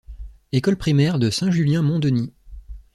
École primaire de Saint-Julien-Mont-Denis.